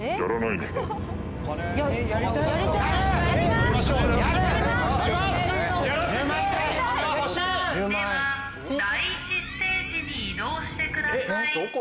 では第１ステージに移動してください。